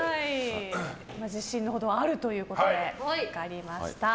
自信のほどはあるということで分かりました。